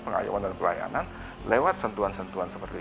pengayuman dan pelayanan lewat sentuhan sentuhan seperti itu